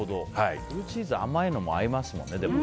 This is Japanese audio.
ブルーチーズ甘いのも合いますもんね。